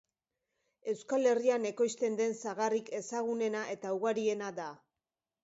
Euskal Herrian ekoizten den sagarrik ezagunena eta ugariena da.